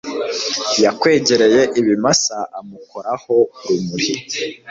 Yakwegereye ibimasa amukoraho urumuri